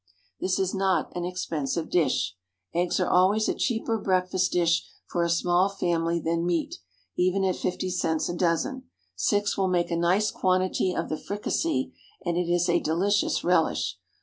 This is not an expensive dish. Eggs are always a cheaper breakfast dish for a small family than meat, even at fifty cents a dozen. Six will make a nice quantity of the fricassee, and it is a delicious relish.